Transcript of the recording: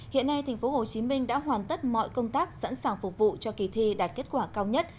hiện nay tp hcm đã hoàn tất mọi công tác sẵn sàng phục vụ cho kỳ thi đạt kết quả cao nhất